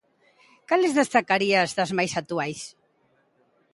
Cales destacarías das máis actuais?